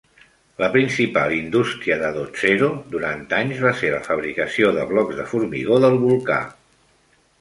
La principal indústria de Dotsero durant anys va ser la fabricació de blocs de formigó del volcà.